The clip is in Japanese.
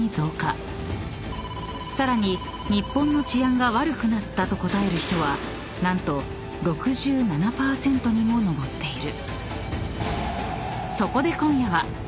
［さらに日本の治安が悪くなったと答える人は何と６７％にも上っている］